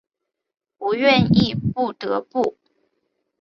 不愿意不得不